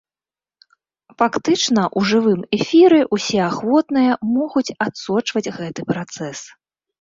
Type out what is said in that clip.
Фактычна ў жывым эфіры ўсе ахвотныя могуць адсочваць гэты працэс.